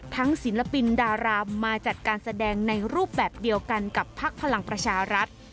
ศิลปินดารามาจัดการแสดงในรูปแบบเดียวกันกับพักพลังประชารัฐ